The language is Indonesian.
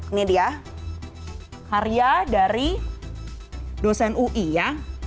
ini dia karya dari dosen ui ya